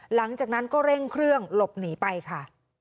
หลังจากนั้นก็เร่งเครื่องหลบหนีไปค่ะ